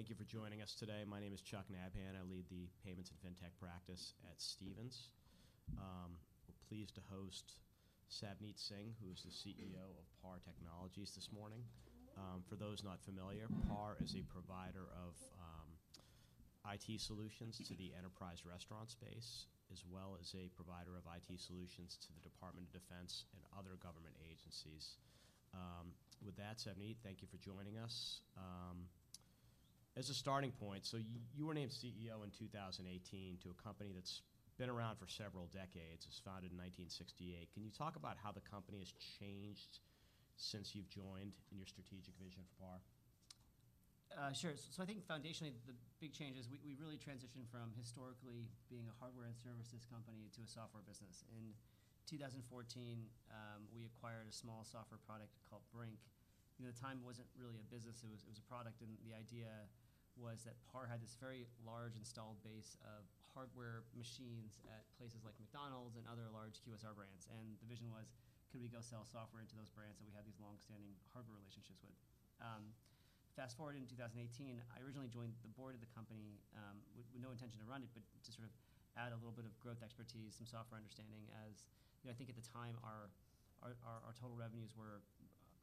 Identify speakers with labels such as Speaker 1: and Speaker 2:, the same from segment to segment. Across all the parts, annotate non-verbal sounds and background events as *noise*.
Speaker 1: All right. Thank you for joining us today. My name is Chuck Nabhan. I lead the Payments and Fintech practice at Stephens. We're pleased to host Savneet Singh, who is the CEO of PAR Technology, this morning. For those not familiar, PAR is a provider of IT solutions to the enterprise restaurant space, as well as a provider of IT solutions to the Department of Defense and other government agencies. With that, Savneet, thank you for joining us. As a starting point, so you were named CEO in 2018 to a company that's been around for several decades. It was founded in 1968. Can you talk about how the company has changed since you've joined, and your strategic vision for PAR?
Speaker 2: Sure. So I think foundationally, the big change is we, we really transitioned from historically being a hardware and services company to a software business. In 2014, we acquired a small software product called Brink. You know, at the time, it wasn't really a business, it was, it was a product, and the idea was that PAR had this very large installed base of hardware machines at places like McDonald's and other large QSR brands. And the vision was: Could we go sell software to those brands that we had these long-standing hardware relationships with? Fast-forwarding to 2018, I originally joined the board of the company, with, with no intention to run it, but to sort of add a little bit of growth expertise, some software understanding, as... You know, I think at the time, our total revenues were,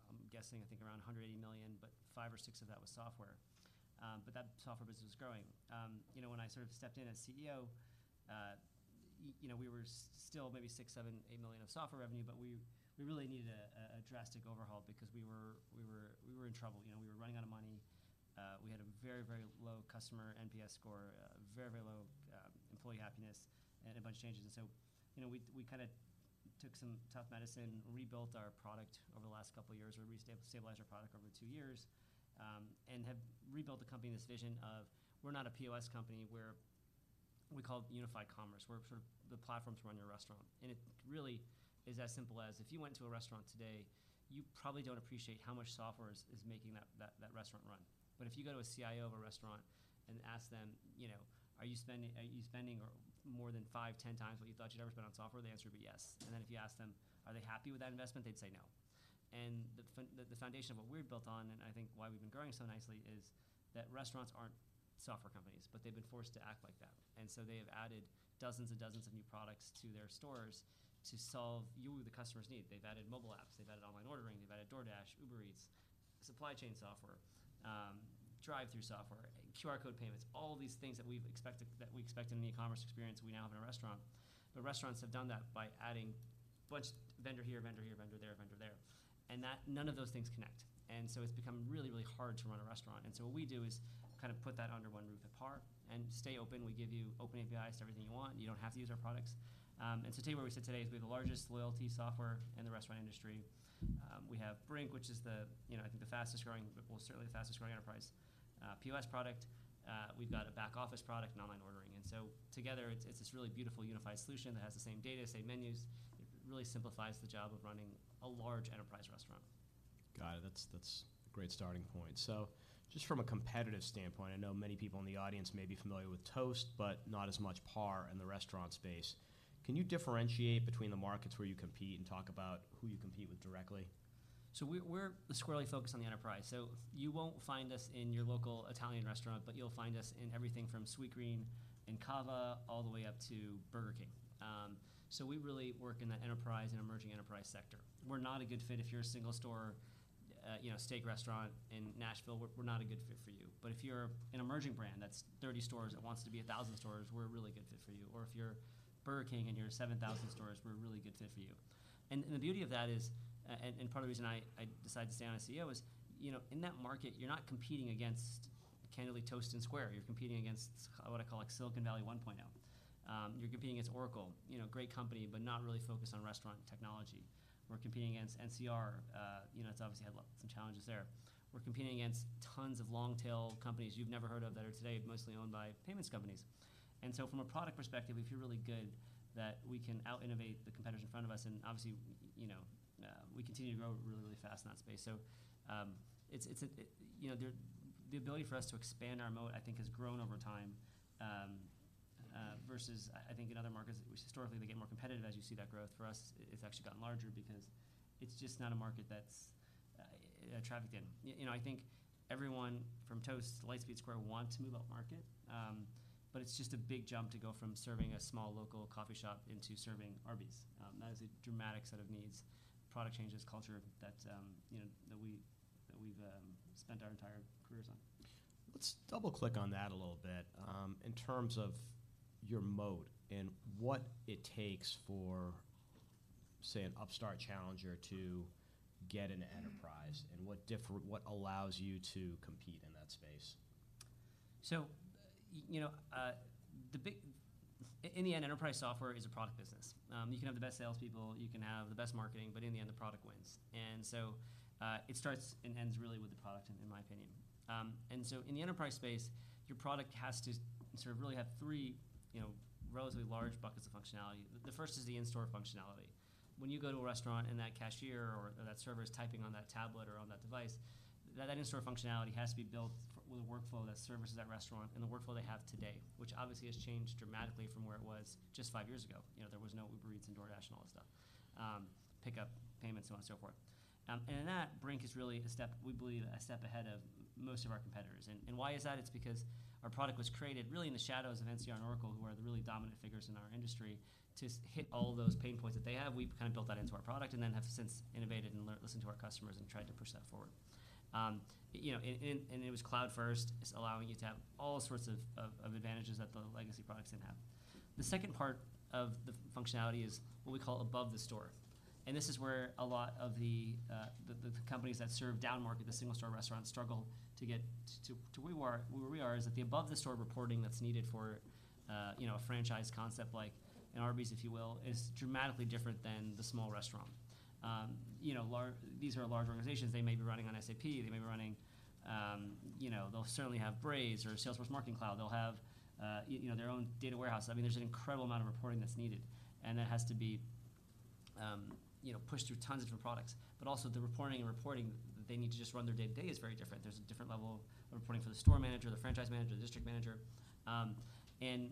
Speaker 2: I'm guessing, I think around $180 million, but $5 million or $6 million of that was software. But that software business was growing. You know, when I sort of stepped in as CEO, you know, we were still maybe $6 million, $7 million, $8 million of software revenue, but we really needed a drastic overhaul because we were in trouble. You know, we were running out of money. We had a very, very low customer NPS score, very, very low employee happiness, and a bunch of changes. You know, we kinda took some tough medicine, rebuilt our product over the last couple of years, or stabilized our product over two years, and have rebuilt the company in this vision of, we're not a POS company, we're-- We call it unified commerce. We're sort of the platform to run your restaurant. And it really is as simple as, if you went to a restaurant today, you probably don't appreciate how much software is making that restaurant run. But if you go to a CIO of a restaurant and ask them, you know: Are you spending or more than five, ten times what you thought you'd ever spend on software? The answer would be yes. And then if you ask them, are they happy with that investment? They'd say, "No." And the foundation of what we're built on, and I think why we've been growing so nicely, is that restaurants aren't software companies, but they've been forced to act like that. And so they have added dozens and dozens of new products to their stores to solve you, the customer's need. They've added mobile apps, they've added online ordering, they've added DoorDash, Uber Eats, supply chain software, drive-through software, QR code payments, all of these things that we've expected, that we expect in the e-commerce experience we now have in a restaurant. But restaurants have done that by adding a bunch... vendor here, vendor here, vendor there, vendor there, and that none of those things connect. And so it's become really, really hard to run a restaurant. What we do is kind of put that under one roof at PAR and stay open. We give you open APIs to everything you want, and you don't have to use our products. To tell you where we sit today is, we have the largest loyalty software in the restaurant industry. We have Brink, which is the, you know, I think the fastest-growing, well, certainly the fastest-growing enterprise POS product. We've got a back office product and online ordering. And so together, it's this really beautiful, unified solution that has the same data, same menus. It really simplifies the job of running a large enterprise restaurant.
Speaker 1: Got it. That's, that's a great starting point. So just from a competitive standpoint, I know many people in the audience may be familiar with Toast, but not as much PAR in the restaurant space. Can you differentiate between the markets where you compete and talk about who you compete with directly?
Speaker 2: So we're squarely focused on the enterprise. You won't find us in your local Italian restaurant, but you'll find us in everything from Sweetgreen and CAVA all the way up to Burger King. So we really work in that enterprise and emerging enterprise sector. We're not a good fit if you're a single store, you know, steak restaurant in Nashville. We're not a good fit for you. But if you're an emerging brand that's 30 stores that wants to be 1,000 stores, we're a really good fit for you. Or if you're Burger King and you're 7,000 stores, we're a really good fit for you. And the beauty of that is, part of the reason I decided to stay on as CEO is, you know, in that market, you're not competing against, candidly, Toast and Square. You're competing against what I call, like, Silicon Valley 1.0. You're competing against Oracle, you know, great company, but not really focused on restaurant technology. We're competing against NCR, you know, it's obviously had some challenges there. We're competing against tons of long-tail companies you've never heard of, that are today mostly owned by payments companies. And so from a product perspective, we feel really good that we can out-innovate the competitors in front of us. And obviously, you know, we continue to grow really, really fast in that space. So, it's... You know, the, the ability for us to expand our moat, I think, has grown over time, versus, I think in other markets, which historically they get more competitive as you see that growth. For us, it's actually gotten larger because it's just not a market that's trafficked in. You know, I think everyone from Toast to Lightspeed, Square want to move upmarket, but it's just a big jump to go from serving a small local coffee shop into serving Arby's. That is a dramatic set of needs, product changes, culture that, you know, that we've spent our entire careers on.
Speaker 1: Let's double-click on that a little bit, in terms of your moat and what it takes for, say, an upstart challenger to get into enterprise, and what allows you to compete in that space?
Speaker 2: So, you know, in the end, enterprise software is a product business. You can have the best salespeople, you can have the best marketing, but in the end, the product wins. And so, it starts and ends really with the product, in my opinion. In the enterprise space, your product has to sort of really have three, you know, relatively large buckets of functionality. The first is the in-store functionality. When you go to a restaurant and that cashier or that server is typing on that tablet or on that device, that in-store functionality has to be built with a workflow that services that restaurant and the workflow they have today, which obviously has changed dramatically from where it was just five years ago. You know, there was no Uber Eats and DoorDash and all that stuff, pickup, payments, and so on, so forth. And in that, Brink is really a step, we believe, a step ahead of most of our competitors. And why is that? It's because our product was created really in the shadows of NCR and Oracle, who are the really dominant figures in our industry, to hit all those pain points that they have. We've kind of built that into our product and then have since innovated and learned, listened to our customers, and tried to push that forward. You know, and it was cloud-first, it's allowing you to have all sorts of advantages that the legacy products didn't have. The second part of the functionality is what we call above the store, and this is where a lot of the... The companies that serve downmarket, the single-store restaurants, struggle to get to where we are, where we are, is that the above-the-store reporting that's needed for you know, a franchise concept like an Arby's, if you will, is dramatically different than the small restaurant. You know, these are large organizations. They may be running on SAP, they may be running, you know, they'll certainly have Braze or Salesforce Marketing Cloud. They'll have you know, their own data warehouse. I mean, there's an incredible amount of reporting that's needed, and that has to be you know, pushed through tons of different products. But also, the reporting and reporting they need to just run their day-to-day is very different. There's a different level of reporting for the store manager, the franchise manager, the district manager, and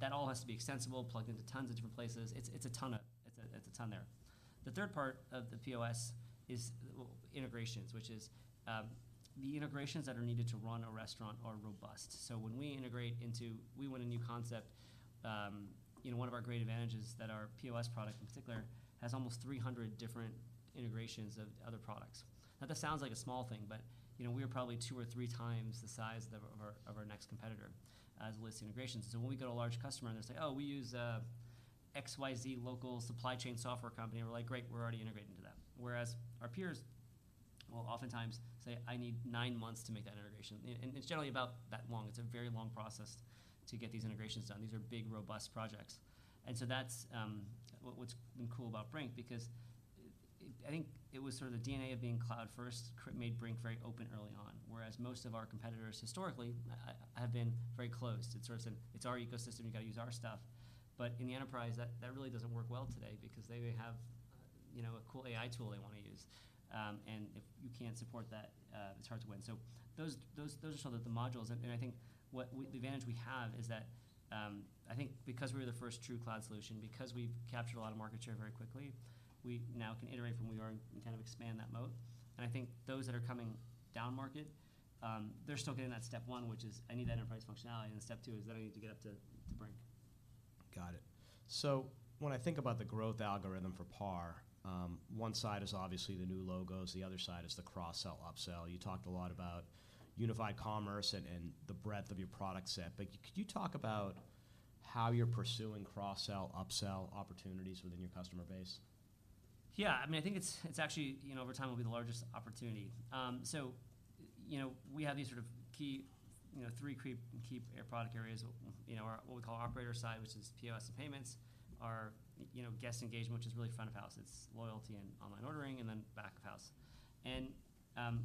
Speaker 2: that all has to be extensible, plugged into tons of different places. It's a ton of... It's a ton there. The third part of the POS is integrations, which is the integrations that are needed to run a restaurant are robust. So when we integrate into... We want a new concept, you know, one of our great advantages that our POS product, in particular, has almost 300 different integrations of other products. Now, that sounds like a small thing, but, you know, we are probably two or three times the size of our next competitor in list integrations. So when we go to a large customer and they say, "Oh, we use XYZ local supply chain software company," we're like: Great, we're already integrated into that. Whereas our peers will oftentimes say, "I need nine months to make that integration." And it's generally about that long. It's a very long process to get these integrations done. These are big, robust projects. And so that's what's been cool about Brink, because I think it was sort of the DNA of being cloud-first made Brink very open early on, whereas most of our competitors, historically, have been very closed. It's sort of said, "It's our ecosystem, you've got to use our stuff." But in the enterprise, that really doesn't work well today because they may have, you know, a cool AI tool they wanna use. And if you can't support that, it's hard to win. So those are some of the modules, and I think what the advantage we have is that, I think because we were the first true cloud solution, because we've captured a lot of market share very quickly, we now can iterate from where we are and kind of expand that moat. And I think those that are coming downmarket, they're still getting that step one, which is, I need that enterprise functionality, and the step two is then I need to get up to Brink.
Speaker 1: Got it. So when I think about the growth algorithm for PAR, one side is obviously the new logos, the other side is the cross-sell, up-sell. You talked a lot about unified commerce and the breadth of your product set, but could you talk about how you're pursuing cross-sell, up-sell opportunities within your customer base?
Speaker 2: Yeah, I mean, I think it's actually, you know, over time, will be the largest opportunity. So you know, we have these sort of key, you know, three key product areas, you know, our what we call operator side, which is POS and payments, our, you know, guest engagement, which is really front of house, it's loyalty and online ordering, and then back of house. And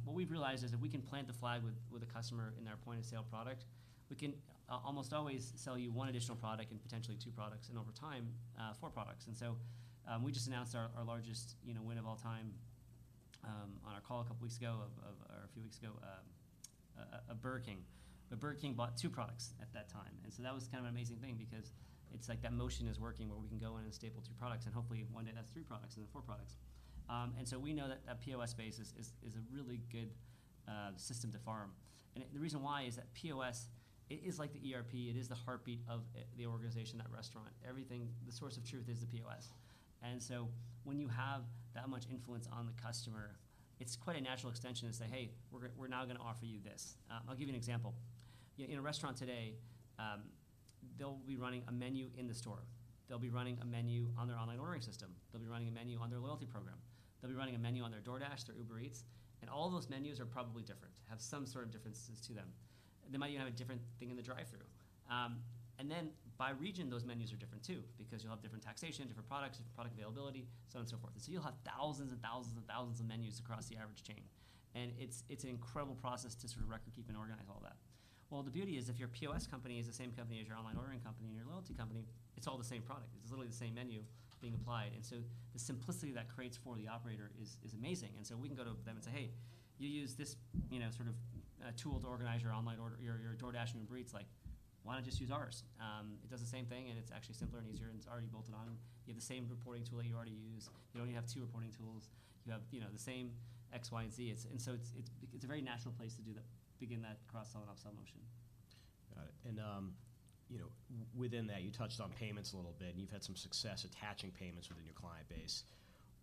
Speaker 2: what we've realized is if we can plant the flag with a customer in their point-of-sale product, we can almost always sell you one additional product and potentially two products, and over time, four products. And so, we just announced our largest win of all time on our call a couple weeks ago or a few weeks ago, a Burger King. But Burger King bought two products at that time, and so that was kind of an amazing thing because it's like that motion is working where we can go in and staple two products, and hopefully, one day that's three products, and then four products. And so we know that that POS space is a really good system to farm. And the reason why is that POS is like the ERP, it is the heartbeat of the organization, that restaurant. Everything... The source of truth is the POS. And so when you have that much influence on the customer, it's quite a natural extension to say, "Hey, we're now gonna offer you this." I'll give you an example. In a restaurant today, they'll be running a MENU in the store. They'll be running a menu on their online ordering system. They'll be running a menu on their loyalty program. They'll be running a menu on their DoorDash, their Uber Eats, and all those menus are probably different, have some sort of differences to them. They might even have a different thing in the drive-thru. And then by region, those menus are different, too, because you'll have different taxation, different products, different product availability, so on and so forth. And so you'll have thousands and thousands and thousands of menus across the average chain, and it's, it's an incredible process to sort of record keep and organize all that. Well, the beauty is, if your POS company is the same company as your online ordering company and your loyalty company, it's all the same product. It's literally the same menu being applied, and so the simplicity that creates for the operator is amazing. And so we can go to them and say, "Hey, you use this, you know, sort of tool to organize your online order, your DoorDash and Uber Eats. Like, why not just use ours? It does the same thing, and it's actually simpler and easier, and it's already bolted on. You have the same reporting tool that you already use. You don't even have two reporting tools. You have, you know, the same X, Y, and Z." It's a very natural place to do that, begin that cross-sell and up-sell motion.
Speaker 1: Got it. And, you know, within that, you touched on payments a little bit, and you've had some success attaching payments within your client base.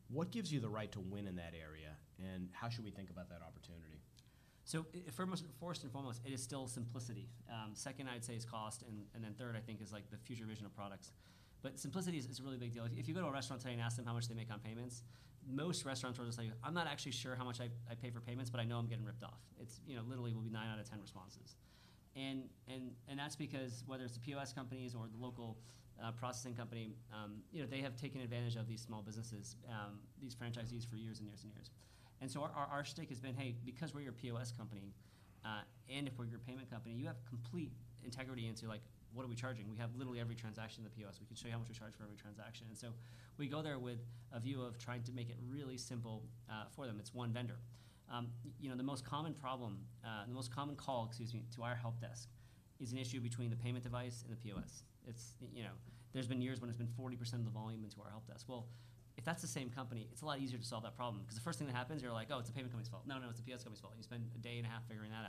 Speaker 1: What gives you the right to win in that area, and how should we think about that opportunity?
Speaker 2: So, first and foremost, it is still simplicity. Second, I'd say, is cost, and then third, I think, is, like, the future vision of products. But simplicity is a really big deal. If you go to a restaurant today and ask them how much they make on payments, most restaurateurs will tell you, "I'm not actually sure how much I pay for payments, but I know I'm getting ripped off." It's, you know, literally 9 out of 10 responses. And that's because whether it's the POS companies or the local processing company, you know, they have taken advantage of these small businesses, these franchisees for years and years and years. And so our stake has been, "Hey, because we're your POS company-... And if we're your payment company, you have complete integrity into, like, what are we charging? We have literally every transaction in the POS. We can show you how much we charge for every transaction. And so we go there with a view of trying to make it really simple for them. It's one vendor. You know, the most common problem, the most common call, excuse me, to our help desk, is an issue between the payment device and the POS. It's, you know, there's been years when it's been 40% of the volume into our help desk. Well, if that's the same company, it's a lot easier to solve that problem, because the first thing that happens, you're like: "Oh, it's the payment company's fault. No, no, it's the POS company's fault." And you spend a day and a half figuring that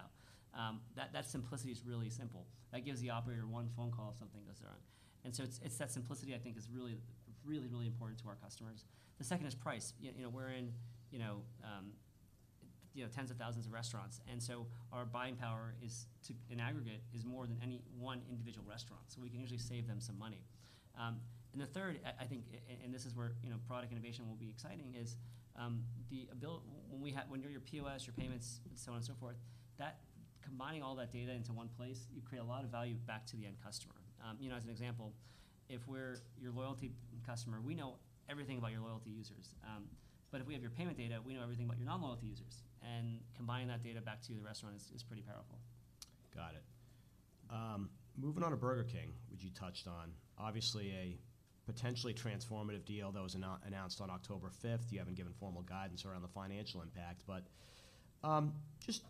Speaker 2: out. That simplicity is really simple. That gives the operator one phone call if something goes wrong. And so it's that simplicity, I think, is really, really, really important to our customers. The second is price. You know, we're in, you know, tens of thousands of restaurants, and so our buying power is in aggregate more than any one individual restaurant, so we can usually save them some money. And the third, I think, and this is where, you know, product innovation will be exciting, is when you have your POS, your payments, and so on and so forth, that combining all that data into one place, you create a lot of value back to the end customer. You know, as an example, if we're your loyalty customer, we know everything about your loyalty users. But if we have your payment data, we know everything about your non-loyalty users, and combining that data back to the restaurant is pretty powerful.
Speaker 1: Got it. Moving on to Burger King, which you touched on. Obviously, a potentially transformative deal that was announced on October fifth. You haven't given formal guidance around the financial impact, but just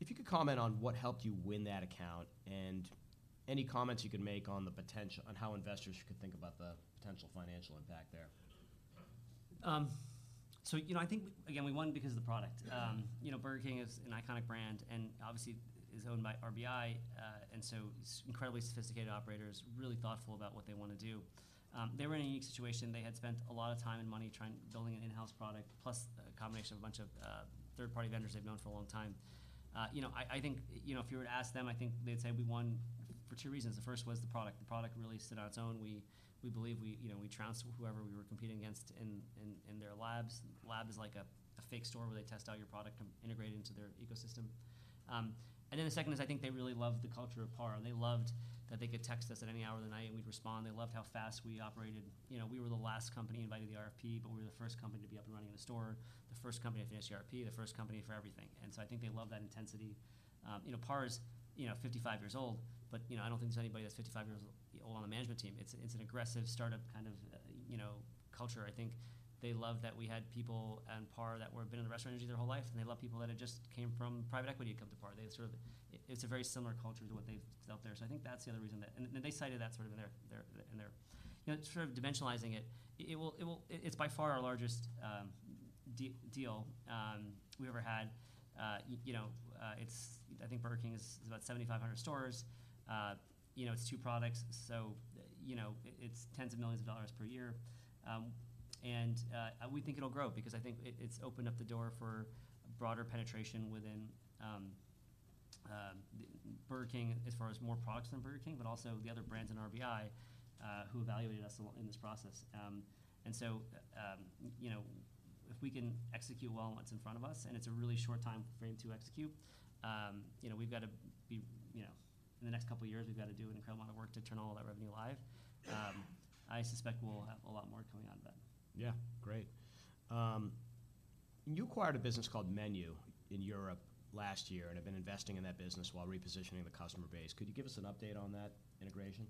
Speaker 1: if you could comment on what helped you win that account, and any comments you could make on how investors should think about the potential financial impact there.
Speaker 2: So, you know, I think, again, we won because of the product. You know, Burger King is an iconic brand, and obviously is owned by RBI, and so incredibly sophisticated operators, really thoughtful about what they wanna do. They were in a unique situation. They had spent a lot of time and money trying to build an in-house product, plus a combination of a bunch of third-party vendors they've known for a long time. You know, I think, you know, if you were to ask them, I think they'd say we won for two reasons. The first was the product. The product really stood on its own. We believe we, you know, we trounced whoever we were competing against in their labs. Lab is like a fake store where they test out your product, integrated into their ecosystem. And then the second is, I think they really loved the culture of PAR, and they loved that they could text us at any hour of the night, and we'd respond. They loved how fast we operated. You know, we were the last company invited to the RFP, but we were the first company to be up and running in the store, the first company to finish the RFP, the first company for everything. And so I think they love that intensity. You know, PAR is, you know, 55 years old, but, you know, I don't think there's anybody that's 55 years old on the management team. It's, it's an aggressive start-up, kind of, you know, culture. I think they love that we had people at PAR that were been in the restaurant industry their whole life, and they love people that had just came from private equity to come to PAR. They sort of... It's a very similar culture to what they've built there. So I think that's the other reason that. And they cited that sort of in their. You know, sort of dimensionalizing it, it will, it will. It's by far our largest deal we ever had. You know, it's... I think Burger King is about 7,500 stores. You know, it's two products, so, you know, it's $ tens of millions per year. And we think it'll grow because I think it's opened up the door for broader penetration within Burger King, as far as more products than Burger King, but also the other brands in RBI, who evaluated us in this process. And so, you know, if we can execute well on what's in front of us, and it's a really short timeframe to execute, you know, we've got to be, you know. In the next couple of years, we've got to do an incredible amount of work to turn all that revenue live. I suspect we'll have a lot more coming out of that.
Speaker 1: Yeah. Great. You acquired a business called Menu in Europe last year, and have been investing in that business while repositioning the customer base. Could you give us an update on that integration?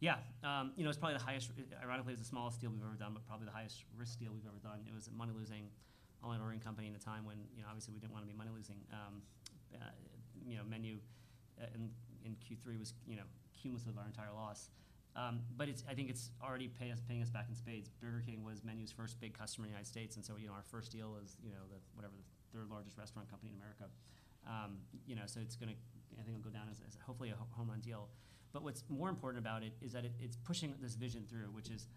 Speaker 2: You know, it's probably the highest, ironically, it's the smallest deal we've ever done, but probably the highest risk deal we've ever done. It was a money-losing, online ordering company in a time when, you know, obviously, we didn't want to be money-losing. You know, Menu in Q3 was the bulk of our entire loss. But it's, I think it's already paying us back in spades. Burger King was Menu's first big customer in the United States, and so, you know, our first deal is, you know, the, whatever, the third largest restaurant company in America. You know, so it's gonna. I think it'll go down as, as hopefully a home run deal. But what's more important about it is that it's pushing this vision through, which is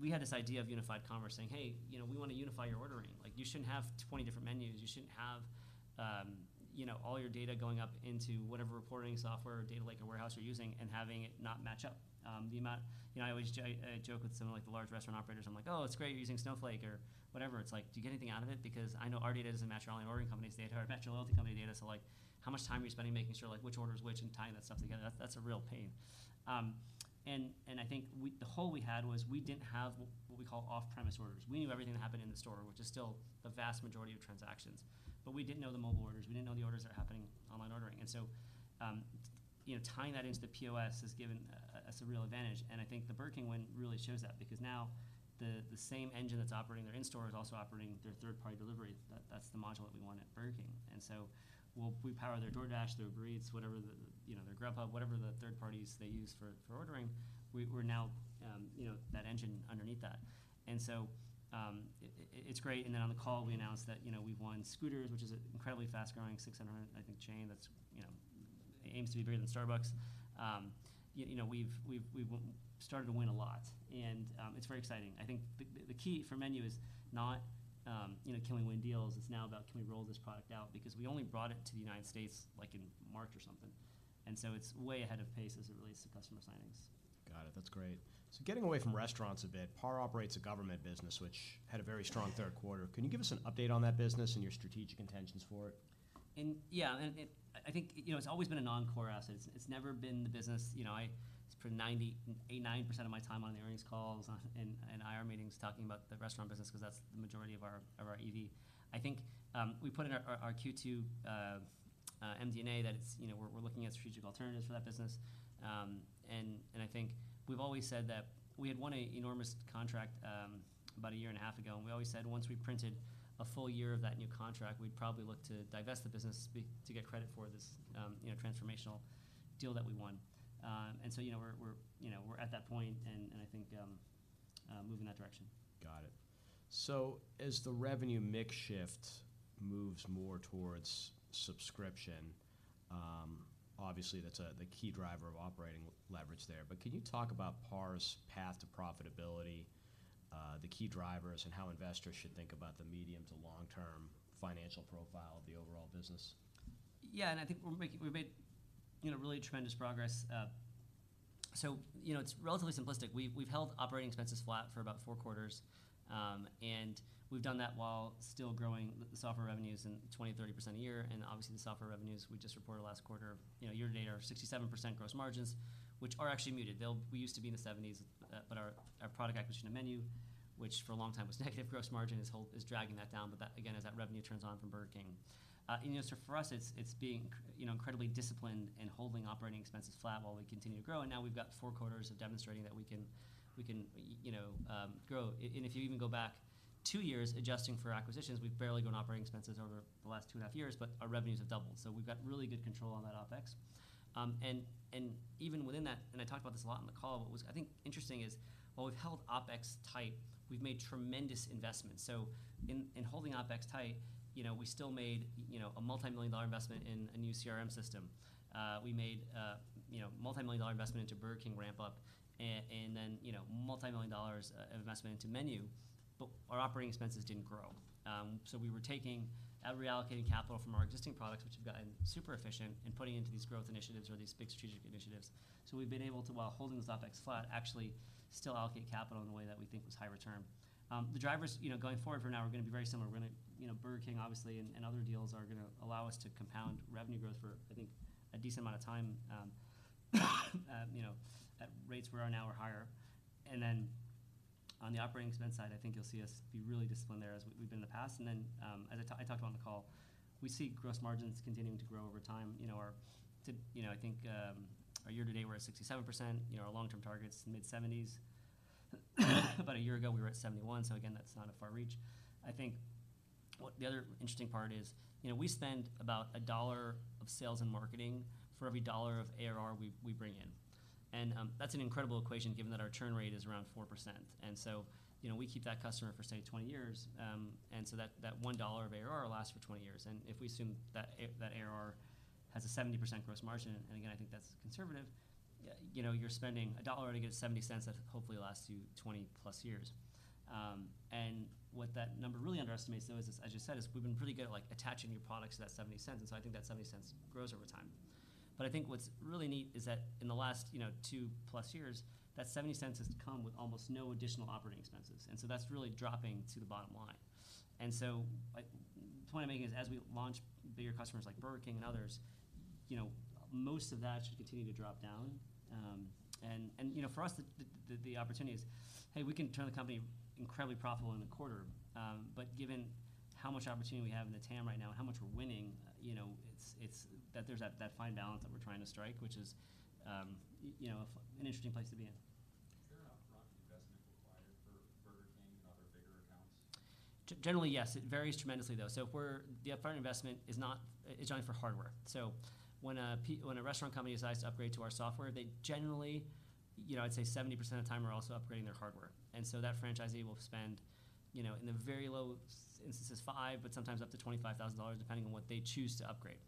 Speaker 2: we had this idea of unified commerce saying: Hey, you know, we want to unify your ordering. Like, you shouldn't have 20 different menus. You shouldn't have, you know, all your data going up into whatever reporting software or data lake or warehouse you're using and having it not match up. The amount-- You know, I always joke with some of, like, the large restaurant operators, I'm like: "Oh, it's great you're using Snowflake or whatever." It's like: Do you get anything out of it? Because I know our data doesn't match our online ordering company's data or match your loyalty company data. So, like, how much time are you spending making sure, like, which order is which, and tying that stuff together? That's a real pain. I think the hole we had was, we didn't have what we call off-premise orders. We knew everything that happened in the store, which is still the vast majority of transactions, but we didn't know the mobile orders. We didn't know the orders that are happening, online ordering. And so, you know, tying that into the POS has given us a real advantage, and I think the Burger King one really shows that, because now the same engine that's operating their in-store is also operating their third-party delivery. That's the module that we want at Burger King. And so we'll power their DoorDash, their Uber Eats, whatever the, you know, their Grubhub, whatever the third parties they use for ordering, we're now, you know, that engine underneath that. And so, it's great. And then on the call, we announced that, you know, we've won Scooter's, which is an incredibly fast-growing 600, I think, chain, that's, you know, aims to be bigger than Starbucks. You know, we've started to win a lot, and it's very exciting. I think the key for Menu is not, you know, can we win deals? It's now about, can we roll this product out? Because we only brought it to the United States, like, in March or something, and so it's way ahead of pace as it relates to customer signings.
Speaker 1: Got it. That's great. So getting away from restaurants a bit, PAR operates a government business, which had a very strong Q3. Can you give us an update on that business and your strategic intentions for it?
Speaker 2: Yeah, I think, you know, it's always been a non-core asset. It's never been the business. You know, I spend 89% of my time on the Earnings Calls and IR meetings talking about the restaurant business, 'cause that's the majority of our EV. I think we put in our Q2 MD&A that, you know, we're looking at strategic alternatives for that business. I think we've always said that we had won an enormous contract about a year and a half ago, and we always said, once we printed a full year of that new contract, we'd probably look to divest the business to get credit for this, you know, transformational deal that we won. And so, you know, we're at that point, and I think moving in that direction.
Speaker 1: Got it. So as the revenue mix shift moves more towards subscription, obviously, that's the key driver of operating leverage there. But can you talk about PAR's path to profitability, the key drivers, and how investors should think about the medium to long-term financial profile of the overall business?
Speaker 2: Yeah, and I think we're making—we've made, you know, really tremendous progress. So, you know, it's relatively simplistic. We've held operating expenses flat for about four quarters, and we've done that while still growing the software revenues 20 to 30% a year. And obviously, the software revenues we just reported last quarter, you know, year to date, are 67% gross margins, which are actually muted. They'll—we used to be in the 70s, but our product acquisition of Menu, which for a long time was negative gross margin, is dragging that down. But that, again, as that revenue turns on from Burger King. And, you know, so for us, it's being, you know, incredibly disciplined and holding operating expenses flat while we continue to grow. Now we've got four quarters of demonstrating that we can, we can, you know, grow. And if you even go back two years, adjusting for acquisitions, we've barely grown operating expenses over the last 2.5 years, but our revenues have doubled. So we've got really good control on that OpEx. And even within that, and I talked about this a lot on the call, what I think is interesting is, while we've held OpEx tight, we've made tremendous investments. So in holding OpEx tight, you know, we still made, you know, a $multi-million-dollar investment in a new CRM system. We made, you know, $multi-million-dollar investment into Burger King ramp up, and then, you know, $multi-million dollars of investment into Menu, but our operating expenses didn't grow. So we were taking, reallocating capital from our existing products, which have gotten super efficient, and putting into these growth initiatives or these big strategic initiatives. So we've been able to, while holding this OpEx flat, actually still allocate capital in a way that we think was high return. The drivers, you know, going forward for now are gonna be very similar. We're gonna... You know, Burger King, obviously, and, and other deals are gonna allow us to compound revenue growth for, I think, a decent amount of time, you know, at rates where are now or higher. And then on the operating expense side, I think you'll see us be really disciplined there as we've been in the past. And then, as I talked about on the call, we see gross margins continuing to grow over time. You know, our year to date, we're at 67%. You know, our long-term target is mid-70s. About a year ago, we were at 71, so again, that's not a far reach. I think what the other interesting part is, you know, we spend about $1 of sales and marketing for every $1 of ARR we bring in. And that's an incredible equation, given that our churn rate is around 4%. And so, you know, we keep that customer for, say, 20 years, and so that $1 of ARR lasts for 20 years. And if we assume that ARR has a 70% gross margin, and again, I think that's conservative, you know, you're spending a dollar to get $0.70 that hopefully lasts you 20 plus years. And what that number really underestimates, though, is, as you said, we've been pretty good at, like, attaching new products to that $0.70, and so I think that $0.70 grows over time. But I think what's really neat is that in the last, you know, 2 plus years, that $0.70 has come with almost no additional operating expenses, and so that's really dropping to the bottom line. And so, like, the point I'm making is, as we launch bigger customers like Burger King and others, you know, most of that should continue to drop down. And, you know, for us, the opportunity is, hey, we can turn the company incredibly profitable in a quarter. But given how much opportunity we have in the TAM right now, how much we're winning, you know, it's that fine balance that we're trying to strike, which is, you know, an interesting place to be in.
Speaker 3: Is there an upfront investment required for Burger King and other bigger accounts?
Speaker 2: Generally, yes, it varies tremendously, though. So the upfront investment is not. It's only for hardware. So when a restaurant company decides to upgrade to our software, they generally, you know, I'd say 70% of the time, are also upgrading their hardware. And so that franchisee will spend, you know, in the very low instances, $5,000, but sometimes up to $25,000, depending on what they choose to upgrade.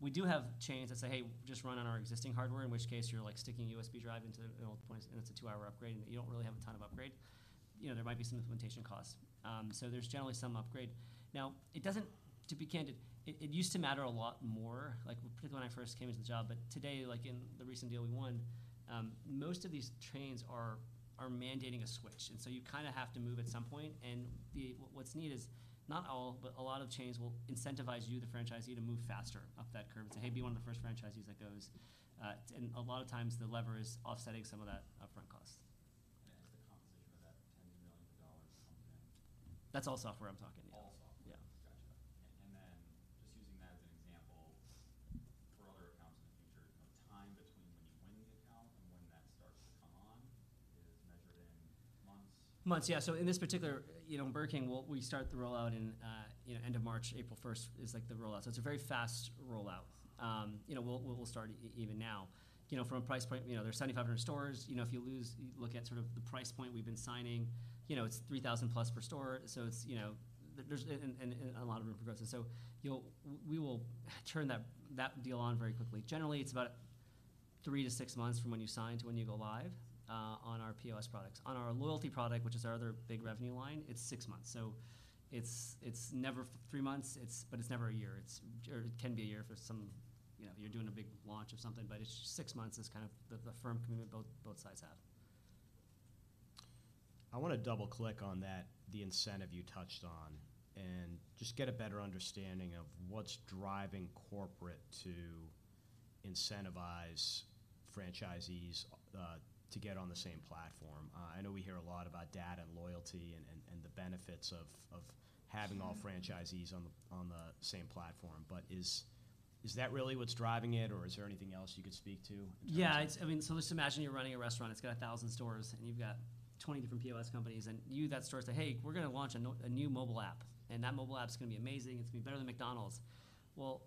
Speaker 2: We do have chains that say, "Hey, just run on our existing hardware," in which case you're, like, sticking a USB drive into an old place, and it's a 2-hour upgrade, and you don't really have a ton of upgrade. You know, there might be some implementation costs. So there's generally some upgrade. Now, it doesn't... To be candid, it used to matter a lot more, like, particularly when I first came into the job. But today, like, in the recent deal we won, most of these chains are mandating a switch, and so you kind of have to move at some point. And what's neat is, not all, but a lot of chains will incentivize you, the franchisee, to move faster up that curve and say, "Hey, be one of the first franchisees that goes," and a lot of times, the lever is offsetting some of that upfront cost.
Speaker 3: *inaudible* Is the compensation for that $10 million upfront?
Speaker 2: That's all software I'm talking about.
Speaker 3: All software?
Speaker 2: Yeah.
Speaker 3: Gotcha. And then, just using that as an example, for other accounts in the future, the time between when you win the account and when that starts to come on is measured in months?
Speaker 2: Months, yeah. So in this particular, you know, Burger King, we'll we start the rollout in, you know, end of March. April 1st is, like, the rollout. So it's a very fast rollout. You know, we'll, we'll start even now. You know, from a price point, you know, there's 7,500 stores. You know, if you look at sort of the price point we've been signing, you know, it's $3,000 plus per store, so it's, you know, there, there's, and, and, and a lot of it progresses. So you'll we will turn that, that deal on very quickly. Generally, it's about 3 to 6 months from when you sign to when you go live on our POS products. On our loyalty product, which is our other big revenue line, it's six months. So it's never for 3 months, but it's never a year. Or it can be a year for some, you know, you're doing a big launch or something, but it's just 6 months is kind of the firm commitment both sides have....
Speaker 1: I wanna double-click on that, the incentive you touched on, and just get a better understanding of what's driving corporate to incentivize franchisees to get on the same platform. I know we hear a lot about data and loyalty and, and, and the benefits of, of having all franchisees on the, on the same platform. But is, is that really what's driving it, or is there anything else you could speak to in terms of-
Speaker 2: Yeah, it's—I mean, so just imagine you're running a restaurant, it's got 1,000 stores, and you've got 20 different POS companies, and you, that store, say, "Hey, we're gonna launch a new mobile app, and that mobile app's gonna be amazing. It's gonna be better than McDonald's." Well,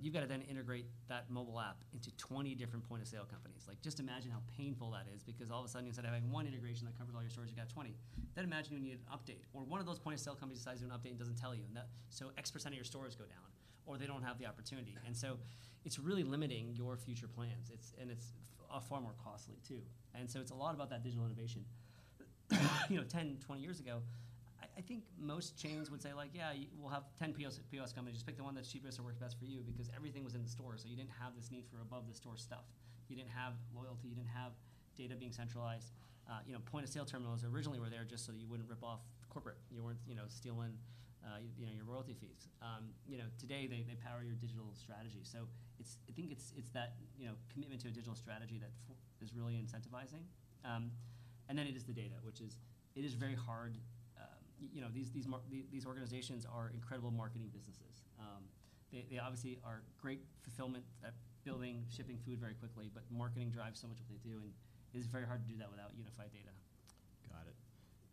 Speaker 2: you've got to then integrate that mobile app into 20 different point-of-sale companies. Like, just imagine how painful that is, because all of a sudden, instead of having one integration that covers all your stores, you've got 20. Then imagine you need an update, or one of those point-of-sale companies decides to do an update and doesn't tell you, and that... So X% of your stores go down, or they don't have the opportunity. And so it's really limiting your future plans. It's—and it's far more costly, too. And so it's a lot about that digital innovation. You know, 10, 20 years ago, I think most chains would say, like: "Yeah, we'll have 10 POS companies. Just pick the one that's cheapest or works best for you," because everything was in the store, so you didn't have this need for above-the-store stuff. You didn't have loyalty, you didn't have data being centralized. You know, point-of-sale terminals originally were there just so that you wouldn't rip off corporate. You weren't, you know, stealing, you know, your royalty fees. You know, today, they power your digital strategy. So I think it's that, you know, commitment to a digital strategy that is really incentivizing. And then it is the data, which is... It is very hard, you know, these organizations are incredible marketing businesses. They obviously are great at fulfillment at building, shipping food very quickly, but marketing drives so much of what they do, and it is very hard to do that without unified data.
Speaker 1: Got it.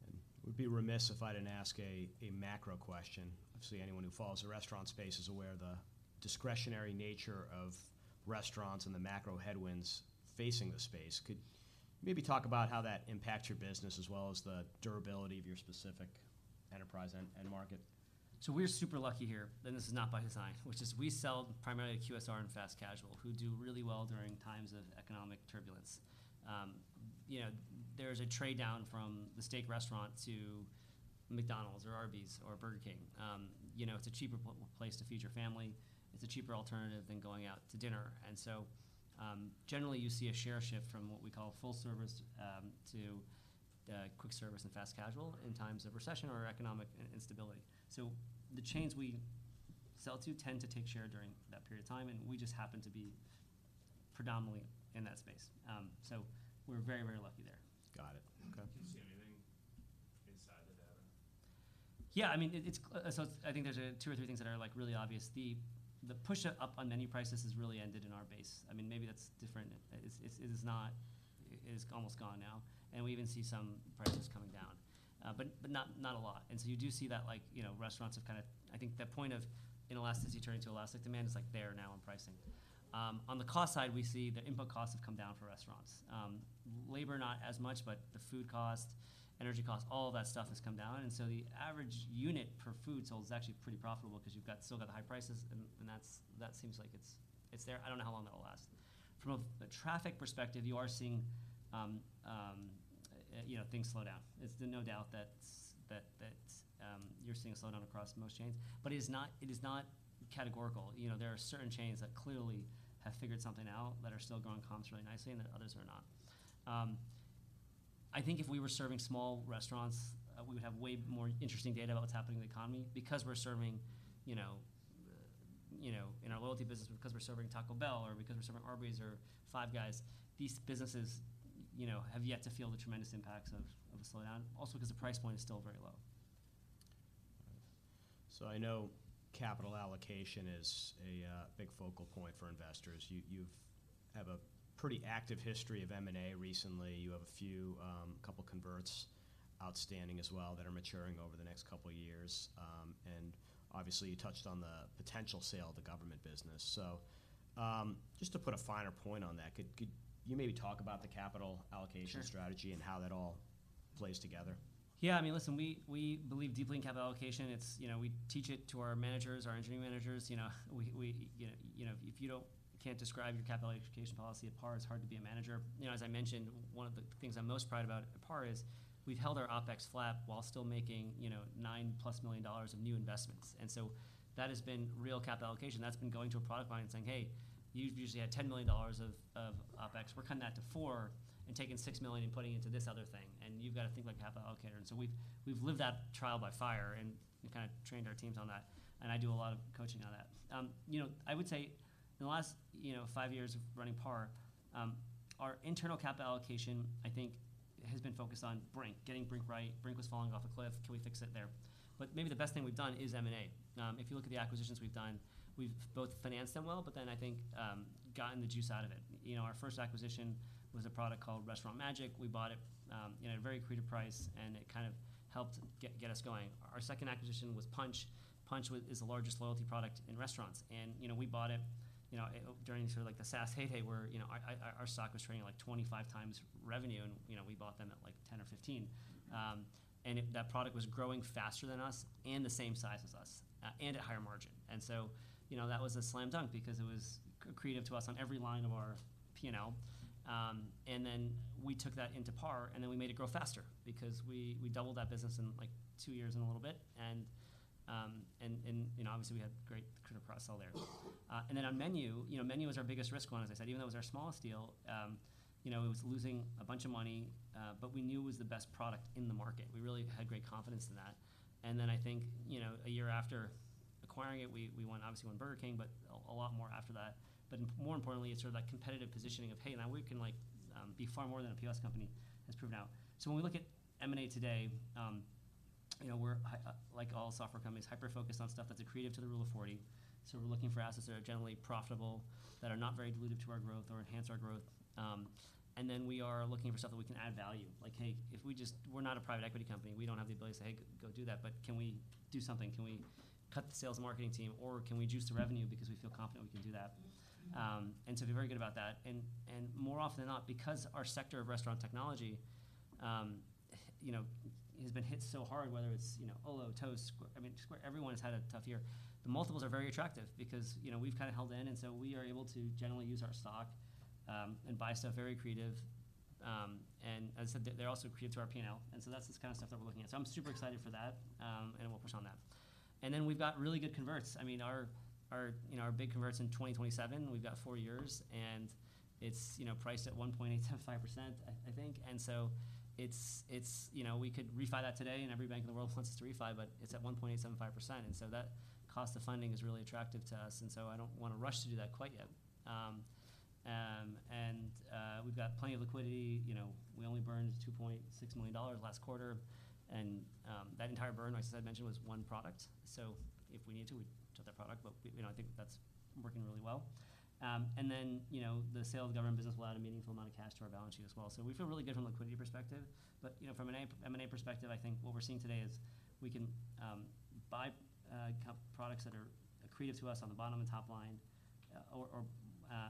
Speaker 1: And would be remiss if I didn't ask a macro question. Obviously, anyone who follows the restaurant space is aware of the discretionary nature of restaurants and the macro headwinds facing the space. Could you maybe talk about how that impacts your business, as well as the durability of your specific enterprise and market?
Speaker 2: So we're super lucky here, and this is not by design, which is we sell primarily to QSR and fast casual, who do really well during times of economic turbulence. You know, there's a trade-down from the steak restaurant to McDonald's or Arby's or Burger King. You know, it's a cheaper place to feed your family. It's a cheaper alternative than going out to dinner. And so, generally, you see a share shift from what we call full service to quick service and fast casual in times of recession or economic instability. So the chains we sell to tend to take share during that period of time, and we just happen to be predominantly in that space. So we're very, very lucky there.
Speaker 1: Got it. Okay.
Speaker 3: Do you see anything inside the data?
Speaker 2: Yeah, I mean, it's so it's. I think there's two or three things that are, like, really obvious. The push up on menu prices has really ended in our base. I mean, maybe that's different. It is not. It is almost gone now, and we even see some prices coming down, but not a lot. And so you do see that, like, you know, restaurants have kind of I think that point of inelasticity turning to elastic demand is, like, there now in pricing. On the cost side, we see the input costs have come down for restaurants. Labor, not as much, but the food cost, energy cost, all of that stuff has come down, and so the average unit per food sold is actually pretty profitable because you've got—still got the high prices, and that's—that seems like it's, it's there. I don't know how long that will last. From a traffic perspective, you are seeing, you know, things slow down. It's—no doubt that's, that, you're seeing a slowdown across most chains. But it is not, it is not categorical. You know, there are certain chains that clearly have figured something out, that are still growing comps really nicely, and then others are not. I think if we were serving small restaurants, we would have way more interesting data about what's happening in the economy. Because we're serving, you know, you know, in our loyalty business, because we're serving Taco Bell or because we're serving Arby's or Five Guys, these businesses, you know, have yet to feel the tremendous impacts of a slowdown, also because the price point is still very low.
Speaker 1: So I know capital allocation is a big focal point for investors. You have a pretty active history of M&A recently. You have a couple converts outstanding as well, that are maturing over the next couple of years. And obviously, you touched on the potential sale of the government business. So just to put a finer point on that, could you maybe talk about the capital allocation-
Speaker 2: Sure...
Speaker 1: strategy and how that all plays together?
Speaker 2: Yeah, I mean, listen, we believe deeply in capital allocation. It's, you know, we teach it to our managers, our engineering managers. You know, we, you know, you know, if you can't describe your capital allocation policy at PAR, it's hard to be a manager. You know, as I mentioned, one of the things I'm most proud about at PAR is, we've held our OpEx flat while still making, you know, $9 plus million of new investments. And so that has been real capital allocation. That's been going to a product line and saying: "Hey, you've usually had $10 million of OpEx. We're cutting that to $4 million and taking $6 million and putting it into this other thing." And you've got to think like a capital allocator. And so we've lived that trial by fire and kind of trained our teams on that, and I do a lot of coaching on that. You know, I would say in the last, you know, five years of running PAR, our internal capital allocation, I think, has been focused on Brink, getting Brink right. Brink was falling off a cliff. Can we fix it there? But maybe the best thing we've done is M&A. If you look at the acquisitions we've done, we've both financed them well, but then I think, gotten the juice out of it. You know, our first acquisition was a product called Restaurant Magic. We bought it at a very accretive price, and it kind of helped get us going. Our second acquisition was Punchh. Punchh was—is the largest loyalty product in restaurants. You know, we bought it, you know, during sort of like the SaaS heyday, where, you know, our stock was trading at, like, 25 times revenue, and, you know, we bought them at, like, 10 or 15. And it-- that product was growing faster than us and the same size as us, and at higher margin. And so, you know, that was a slam dunk because it was accretive to us on every line of our P&L. And then we took that into PAR, and then we made it grow faster because we doubled that business in, like, two years and a little bit. And, you know, obviously, we had great accretive cross-sell there. And then on Menu, you know, Menu was our biggest risk one, as I said, even though it was our smallest deal. You know, it was losing a bunch of money, but we knew it was the best product in the market. We really had great confidence in that. And then I think, you know, a year after acquiring it, we won, obviously, won Burger King, but a lot more after that. But more importantly, it's sort of that competitive positioning of, "Hey, now we can, like, be far more than a POS company," has proven out. So when we look at M&A today, you know, we're like all software companies, hyper-focused on stuff that's accretive to the Rule of 40. So we're looking for assets that are generally profitable, that are not very dilutive to our growth or enhance our growth, and then we are looking for something we can add value. Like, hey, if we just- we're not a private equity company, we don't have the ability to say, "Hey, go do that," but can we do something? Can we cut the sales marketing team, or can we juice the revenue because we feel confident we can do that? And so we're very good about that. And, and more often than not, because our sector of restaurant technology, you know, has been hit so hard, whether it's, you know, Olo, Toast, Squ-- I mean, Square, everyone has had a tough year. The multiples are very attractive because, you know, we've kind of held in, and so we are able to generally use our stock, and buy stuff very accretive. And as I said, they're, they're also accretive to our P&L, and so that's the kind of stuff that we're looking at. So I'm super excited for that, and we'll push on that. And then we've got really good converts. I mean, our, our, you know, our big converts in 2027, we've got four years, and it's, you know, priced at 1.875%, I think. And so it's... You know, we could refi that today, and every bank in the world wants us to refi, but it's at 1.875%, and so that cost of funding is really attractive to us, and so I don't want to rush to do that quite yet. And we've got plenty of liquidity. You know, we only burned $2.6 million last quarter, and that entire burn, like as I mentioned, was one product. So if we need to, we shut that product, but we, you know, I think that's working really well. And then, you know, the sale of the government business will add a meaningful amount of cash to our balance sheet as well. So we feel really good from a liquidity perspective, but, you know, from an M&A perspective, I think what we're seeing today is we can buy complementary products that are accretive to us on the bottom and top line, or, or,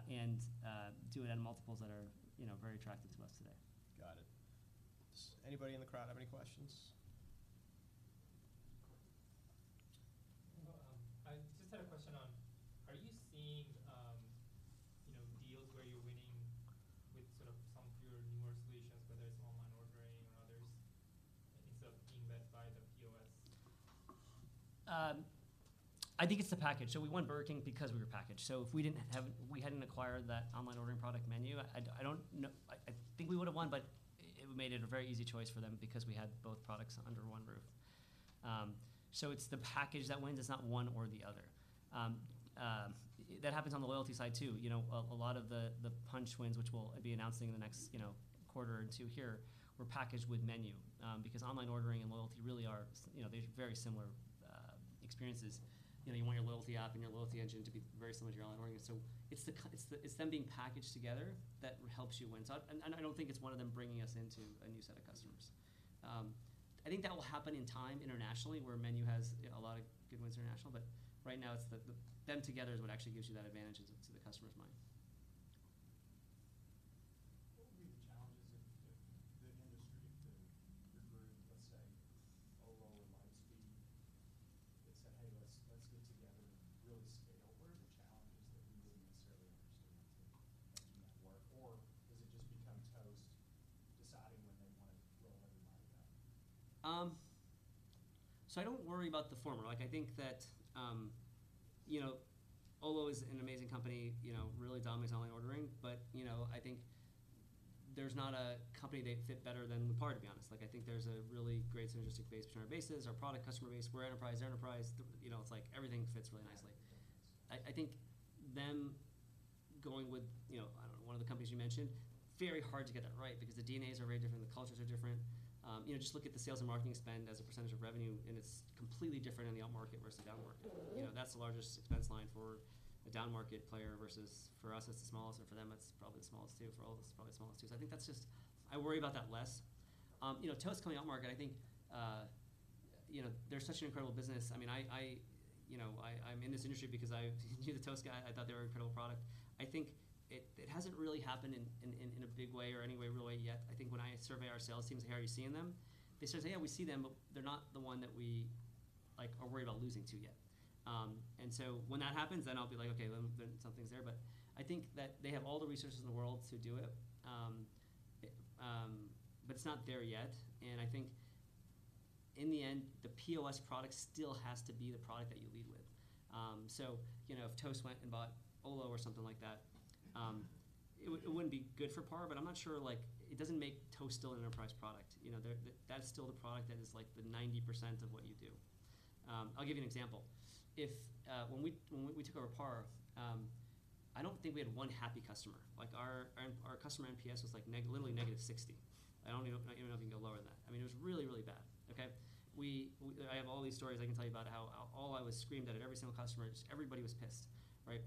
Speaker 2: and, do it at multiples that are, you know, very attractive to us today.
Speaker 1: Got it. Does anybody in the crowd have any questions?
Speaker 4: Well, I just had a question on, are you seeing, you know, deals where you're winning with sort of some of your newer solutions, whether it's online ordering or others, instead of being led by the POS?
Speaker 2: I think it's the package. So we won Burger King because we were packaged. So if we didn't have-- we hadn't acquired that online ordering product Menu, I think we would have won, but it made it a very easy choice for them because we had both products under one roof. So it's the package that wins, it's not one or the other. That happens on the loyalty side, too. You know, a lot of the Punchh wins, which we'll be announcing in the next, you know, quarter or two here, were packaged with Menu. Because online ordering and loyalty really are, you know, they're very similar experiences. You know, you want your loyalty app and your loyalty engine to be very similar to your online ordering. So it's the—it's them being packaged together that helps you win. So I, and I don't think it's one of them bringing us into a new set of customers. I think that will happen in time internationally, where Menu has, you know, a lot of good wins international. But right now, it's them together is what actually gives you that advantage to the customer's mind. You know, just look at the sales and marketing spend as a percentage of revenue, and it's completely different in the upmarket versus downmarket. You know, that's the largest expense line for a downmarket player versus for us, it's the smallest, and for them, it's probably the smallest, too. For all of us, it's probably the smallest, too. So I think that's just... I worry about that less. You know, Toast coming upmarket, I think, you know, they're such an incredible business. I mean, you know, I, I'm in this industry because I knew the Toast guy. I thought they were an incredible product. I think it hasn't really happened in a big way or any way really yet. I think when I survey our sales teams and say, "Are you seeing them?" They say, "Yeah, we see them, but they're not the one that we, like, are worried about losing to yet." And so when that happens, then I'll be like: "Okay, well, then something's there." But I think that they have all the resources in the world to do it. But it's not there yet. And I think in the end, the POS product still has to be the product that you lead with. So, you know, if Toast went and bought Olo or something like that, it wouldn't be good for PAR, but I'm not sure, like... It doesn't make Toast still an enterprise product. You know, that's still the product that is, like, the 90% of what you do. I'll give you an example. When we, when we took over PAR, I don't think we had one happy customer. Like, our customer NPS was, like, literally negative 60. I don't even know if you can go lower than that. I mean, it was really, really bad, okay? I have all these stories I can tell you about how all I was screamed at, at every single customer, just everybody was pissed, right?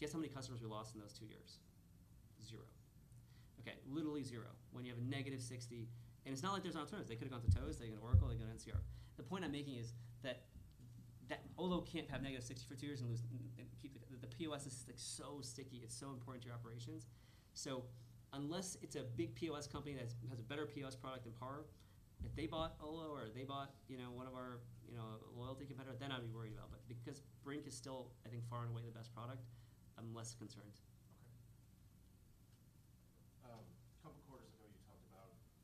Speaker 2: Guess how many customers we lost in those two years? 0. Okay, literally 0. When you have a negative 60... It's not like there's no alternatives. They could've gone to Toast, they could've gone to Oracle, they could've gone to NCR. The point I'm making is that Olo can't have -60 for two years and lose and keep it. The POS is, like, so sticky. It's so important to your operations. So unless it's a big POS company that's has a better POS product than PAR, if they bought Olo or they bought, you know, one of our, you know, loyalty competitor, then I'd be worried about it, but because Brink is still, I think, far and away the best product, I'm less concerned.
Speaker 4: Okay. Um-... *inaudible* in 2024. Just curious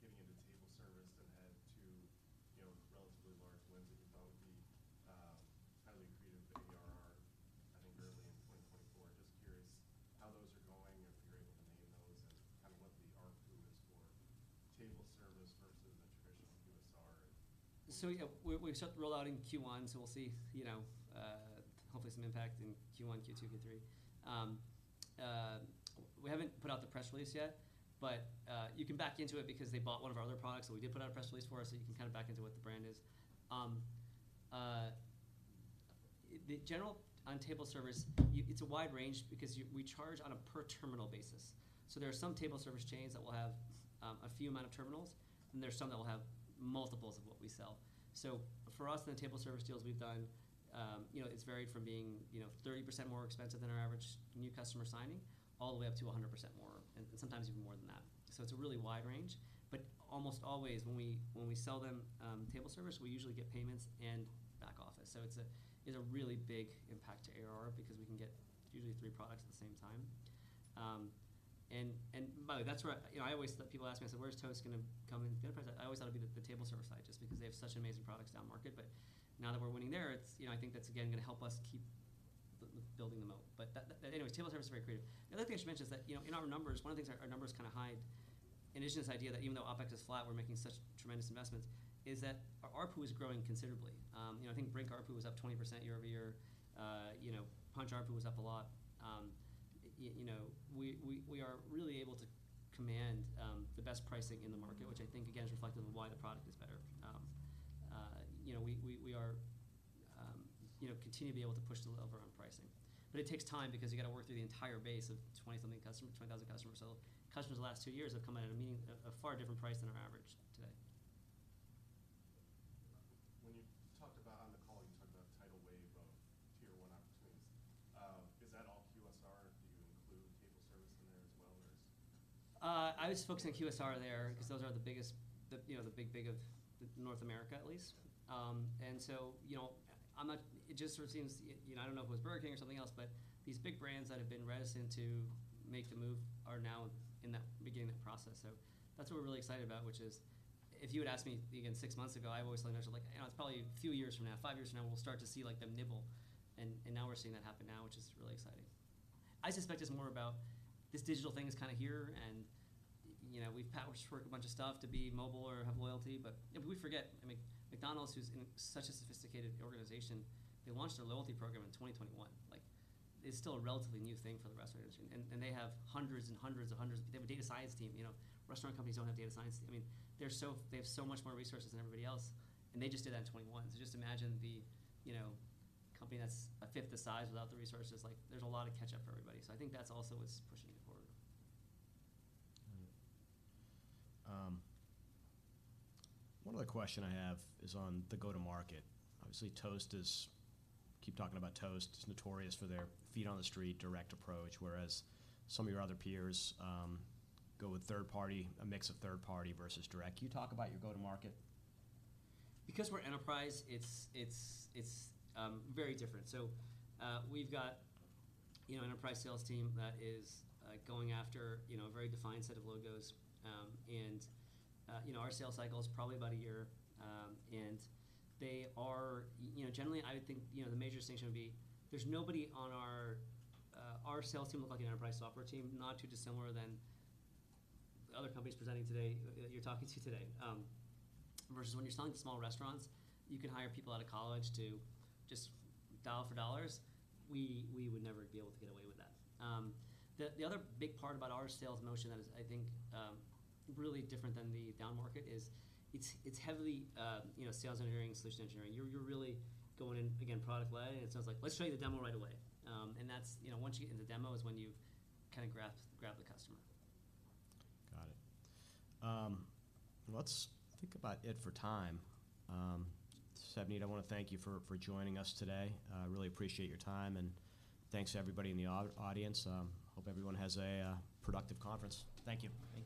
Speaker 4: how those are going, if you're able to name those, and kind of what the ARPU is for table service versus the traditional QSR?
Speaker 2: So, yeah, we accept the rollout in Q1, so we'll see, you know, hopefully some impact in Q1, Q2, Q3. We haven't put out the press release yet, but you can back into it because they bought one of our other products, so we did put out a press release for it, so you can kind of back into what the brand is. The general on table service, it's a wide range because we charge on a per terminal basis. So there are some table service chains that will have a few amount of terminals, and there are some that will have multiples of what we sell. So for us, the table service deals we've done, you know, it's varied from being, you know, 30% more expensive than our average new customer signing, all the way up to 100% more, and sometimes even more than that. So it's a really wide range. But almost always, when we sell them table service, we usually get payments and back office. So it's a really big impact to ARR because we can get usually three products at the same time. And by the way, that's where, you know, I always let people ask me, I say: Where's Toast gonna come in? I always thought it'd be the table service side, just because they have such amazing products down-market. But now that we're winning there, it's... You know, I think that's again gonna help us keep building them out. But that... Anyways, table service is very creative. Another thing I should mention is that, you know, in our numbers, one of the things our numbers kinda hide, in addition to this idea that even though OpEx is flat, we're making such tremendous investments, is that our ARPU is growing considerably. You know, I think Brink ARPU was up 20% year-over-year. You know, Punchh ARPU was up a lot. You know, we are really able to command the best pricing in the market, which I think, again, is reflective of why the product is better. You know, we are continue to be able to push the level around pricing. But it takes time because you've got to work through the entire base of 20-something customers, 20,000 customers. So customers the last two years have come in at a mean, a far different price than our average today.
Speaker 4: When you talked about... On the call, you talked about tidal wave of Tier One opportunities. Is that all QSR, or do you include table service in there as well, or is-
Speaker 2: I was focusing on QSR there. QSR.because those are the biggest, you know, the big, big of North America, at least. Yeah.And so, you know, it just sort of seems, you know, I don't know if it was Burger King or something else, but these big brands that have been reticent to make the move are now in that, beginning that process. So that's what we're really excited about, which is... If you had asked me again six months ago, I've always thought, you know, like, it's probably a few years from now, five years from now, we'll start to see, like, them nibble. And now we're seeing that happen now, which is really exciting. I suspect it's more about this digital thing is kind of here, and, you know, we've worked a bunch of stuff to be mobile or have loyalty. But, and we forget, I mean, McDonald's, who's in such a sophisticated organization, they launched their loyalty program in 2021. Like, it's still a relatively new thing for the restaurant, and they have hundreds and hundreds of hundreds... They have a data science team, you know. Restaurant companies don't have data science team. I mean, they're so they have so much more resources than everybody else, and they just did that in 2021. So just imagine the, you know, company that's a fifth the size without the resources. Like, there's a lot of catch-up for everybody. So I think that's also what's pushing it forward.
Speaker 1: All right. One other question I have is on the go-to-market. Obviously, Toast is... Keep talking about Toast is notorious for their feet on the street, direct approach, whereas some of your other peers go with third party, a mix of third party versus direct. Can you talk about your go-to-market?
Speaker 2: Because we're enterprise, it's very different. So, we've got, you know, an enterprise sales team that is going after, you know, a very defined set of logos. And, you know, our sales cycle is probably about a year. And they are... You know, generally, I would think, you know, the major distinction would be, there's nobody on our sales team look like an enterprise software team, not too dissimilar than other companies presenting today that you're talking to today. Versus when you're selling to small restaurants, you can hire people out of college to just dial for dollars. We would never be able to get away with that. The other big part about our sales motion that is, I think, really different than the down market is, it's heavily, you know, sales engineering, solution engineering. You're really going in, again, product led, and it sounds like: "Let's show you the demo right away." And that's, you know, once you get in the demo, is when you've kinda grabbed the customer.
Speaker 1: Got it. Let's think about it for time. Savneet, I wanna thank you for joining us today. I really appreciate your time, and thanks to everybody in the audience. Hope everyone has a productive conference. Thank you.